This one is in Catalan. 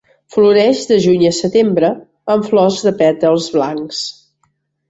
Floreix de juny a setembre amb flors de pètals blancs.